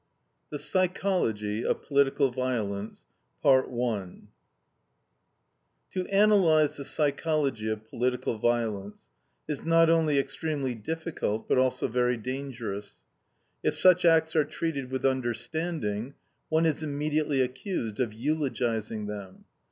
THE PSYCHOLOGY OF POLITICAL VIOLENCE To analyze the psychology of political violence is not only extremely difficult, but also very dangerous. If such acts are treated with understanding, one is immediately accused of eulogizing them.